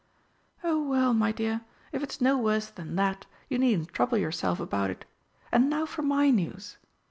"Oh well, my dear, if it's no worse than that, you needn't trouble yourself about it. And now for my news.